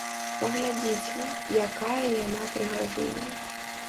Паглядзіце, якая яна прыгажуня!